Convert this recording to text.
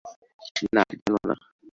না, জান না।